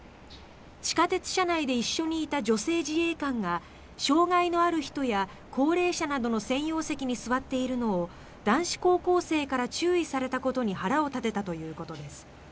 地下鉄車内で一緒にいた女性自衛官が障害のある人や高齢者などの専用席に座っているのを男子高校生から注意されたことに腹を立てたということです。